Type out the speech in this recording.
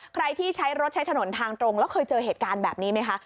ใครที่ใช้รถใช้ถนนทางตรงแล้วเคยเจอเหตุการณ์แบบนี้ไหมคะ